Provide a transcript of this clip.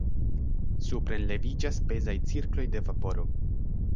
Suprenleviĝas pezaj cirkloj de vaporo.